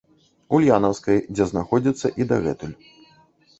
Ульянаўскай, дзе знаходзіцца і дагэтуль.